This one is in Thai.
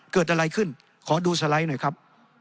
เกิดอะไรขึ้นขอดูสไลด์หน่อยครับ